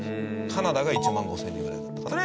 カナダが１万５０００人ぐらいだったかな。